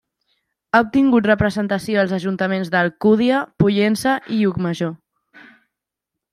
Ha obtingut representació als ajuntaments d'Alcúdia, Pollença i Llucmajor.